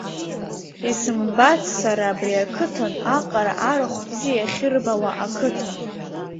Исымбац сара абри ақыҭан аҟара арахә бзиа иахьырбауа ақыҭа.